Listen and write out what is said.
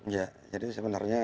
ya jadi sebenarnya